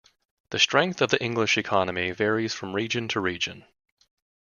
The strength of the English economy varies from region to region.